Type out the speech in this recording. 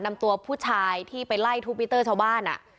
นำตัวผู้ชายที่ไปไล่เนี่ยเอาบ้านอ่ะ